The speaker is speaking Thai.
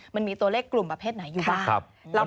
มันมีตัวเลขกลุ่มประเภทไหนอยู่บ้าง